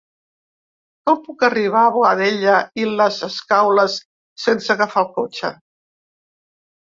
Com puc arribar a Boadella i les Escaules sense agafar el cotxe?